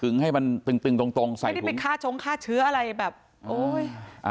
ให้มันตึงตึงตรงตรงใส่ไม่ได้ไปฆ่าชงฆ่าเชื้ออะไรแบบโอ้ยอ่า